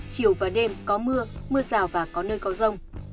chiều và đêm có mưa mưa rào và có nơi có rông